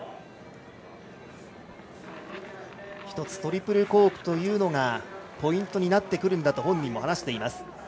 １つ、トリプルコークというのがポイントになってくると話します。